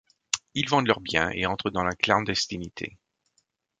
Ils vendent leurs biens et entrent dans la clandestinité.